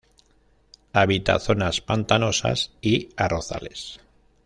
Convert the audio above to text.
Habita zonas pantanosas y arrozales.